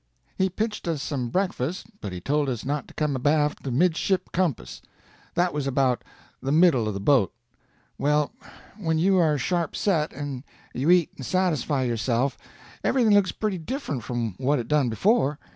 He pitched us some breakfast, but he told us not to come abaft the midship compass. That was about the middle of the boat. Well, when you are sharp set, and you eat and satisfy yourself, everything looks pretty different from what it done before.